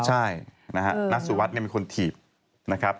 ใช่นะฮะนัสสุวัสดิ์นี่มีคนถีบนะครับ